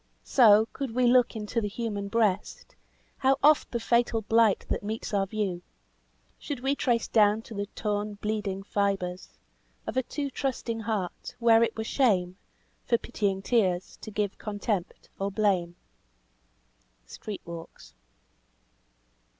So, could we look into the human breast, How oft the fatal blight that meets our view, Should we trace down to the torn, bleeding fibres Of a too trusting heart where it were shame, For pitying tears, to give contempt or blame." "STREET WALKS."